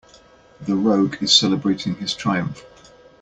The rogue is celebrating his triumph.